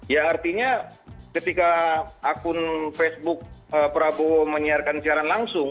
ya artinya ketika akun facebook prabowo menyiarkan siaran langsung